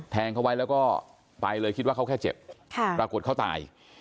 แทงเขาไว้แล้วก็ไปเลยคิดว่าเขาแค่เจ็บปรากฏเขาตาย